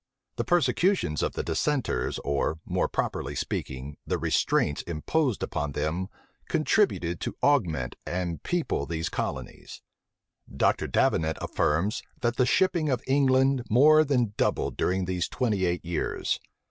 The persecutions of the dissenters, or, more properly speaking, the restraints imposed upon them contributed to augment and people these colonies. Dr. Davenant affirms,[*] that the shipping of England more than doubled during these twenty eight years.